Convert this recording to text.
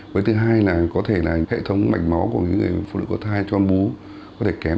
với thứ hai là có thể là hệ thống mạch máu của những người phụ nữ có thai cho ăn bú có thể kém